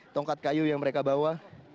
tongkat kayu yang mereka bawa